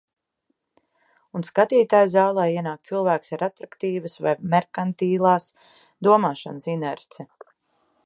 Un skatītāju zālē ienāk cilvēks ar atraktīvas vai merkantilās domāšanas inerci.